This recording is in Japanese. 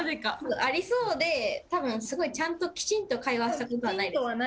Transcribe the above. ありそうでたぶんすごいちゃんときちんと会話をしたことはないですね。